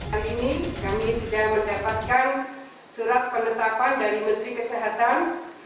hari ini kami sudah mendapatkan surat penetapan dari menteri kesehatan